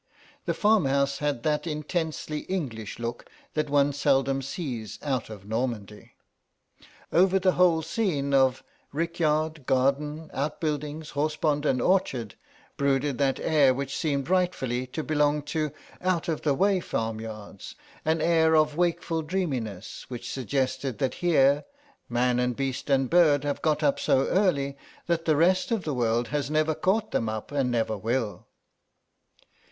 The farmhouse had that intensely English look that one seldom sees out of Normandy. Over the whole scene of rickyard, garden, outbuildings, horsepond and orchard, brooded that air which seems rightfully to belong to out of the way farmyards, an air of wakeful dreaminess which suggests that here, man and beast and bird have got up so early that the rest of the world has never caught them up and never will.